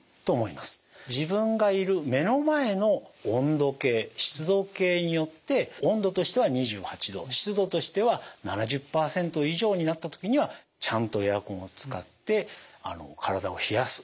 自分がいる目の前の温度計湿度計によって温度としては２８度湿度としては７０％以上になった時にはちゃんとエアコンを使って体を冷やす。